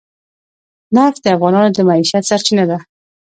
نفت د افغانانو د معیشت سرچینه ده.